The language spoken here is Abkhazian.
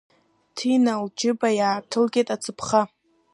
Ҭина лџьыба иааҭылгеит ацаԥха.